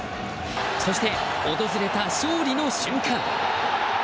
そして、訪れた勝利の瞬間。